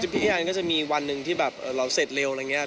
พี่แอนก็จะมีวันหนึ่งที่แบบเราเสร็จเร็วอะไรอย่างนี้